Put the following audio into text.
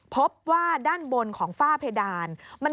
พบว่าด้านบนของฝ้าเพดาน